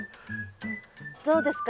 どうですか？